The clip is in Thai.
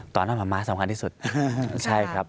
ตอนนั้นมะมะสำคัญที่สุดใช่ครับ